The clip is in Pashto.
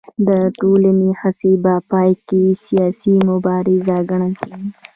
دا ټولې هڅې په پای کې سیاسي مبارزه ګڼل کېږي